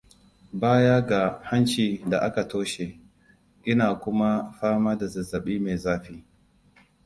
Baya ga hanci da aka toshe, Ina kuma fama da zazzabi mai zafi.